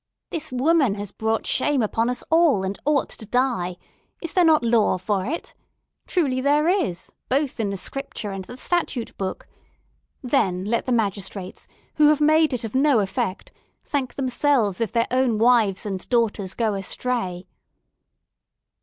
"This woman has brought shame upon us all, and ought to die; is there not law for it? Truly there is, both in the Scripture and the statute book. Then let the magistrates, who have made it of no effect, thank themselves if their own wives and daughters go astray."